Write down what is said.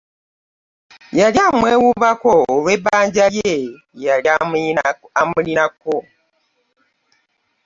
Yali amwewuubako olw'ebanja lye yali amulinako.